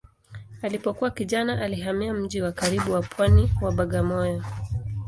Alipokuwa kijana alihamia mji wa karibu wa pwani wa Bagamoyo.